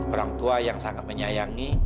orang tua yang sangat menyayangi